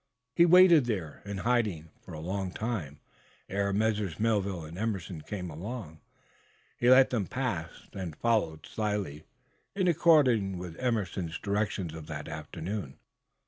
He waited there, in hiding, for a long time, ere Messrs. Melville and Emerson came along. He let them pass, then followed slyly, in accordance with Broughton Emerson's directions of that afternoon.